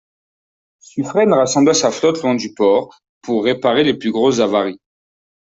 Suffren rassembla sa flotte loin du port pour réparer les plus grosses avaries.